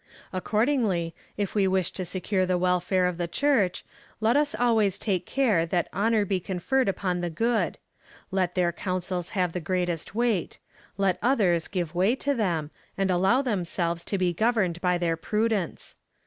Accordingly, if we wish to secure the welfare of the Church, let us always take care that honour be conferred uj^on the good : let their counsels have the greatest weight ; let others give way to tliem, and allow themselves to be governed by tlieir prudence.